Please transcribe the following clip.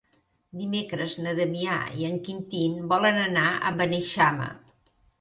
Dimecres na Damià i en Quintí volen anar a Beneixama.